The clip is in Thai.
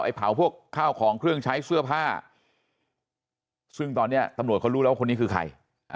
เผาพวกข้าวของเครื่องใช้เสื้อผ้าซึ่งตอนนี้ตำรวจเขารู้แล้วว่าคนนี้คือใคร